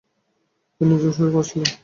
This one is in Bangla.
তিনি নিজেও সুর করেছিলেন।